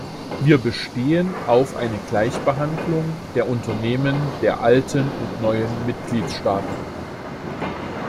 Wir bestehen auf eine Gleichbehandlung der Unternehmen der alten und neuen Mitgliedstaaten.